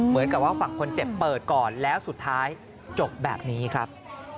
เหมือนกับว่าฝั่งคนเจ็บเปิดก่อนแล้วสุดท้ายจบแบบนี้ครับ